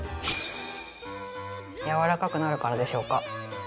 やわらかくなるからでしょうか？